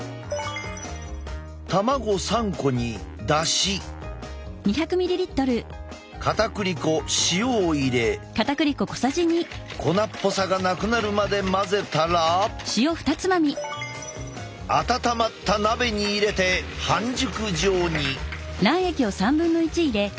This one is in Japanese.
卵３個にだしかたくり粉塩を入れ粉っぽさがなくなるまで混ぜたら温まった鍋に入れて半熟状に。